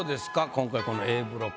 今回このＡブロック。